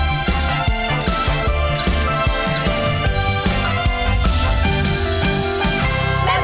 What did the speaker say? แอร์โหลดแล้วคุณล่ะโหลดแล้ว